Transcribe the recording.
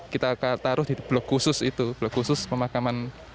kita taruh di blok khusus itu blok khusus pemakaman